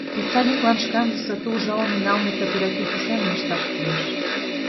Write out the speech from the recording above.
Кресаньыклан шканже сату ужалыме-налме кооператив ушемым ышташ кӱлеш.